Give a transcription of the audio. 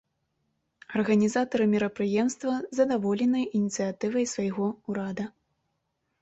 Арганізатары мерапрыемства задаволеныя ініцыятывай свайго ўрада.